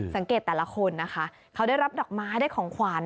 แต่ละคนนะคะเขาได้รับดอกไม้ได้ของขวัญ